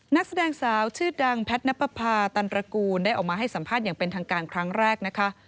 นักแสดงสาวชื่อดังแพทย์นับประพาตันตระกูลได้ออกมาให้สัมภาษณ์อย่างเป็นทางการครั้งแรกนะคะ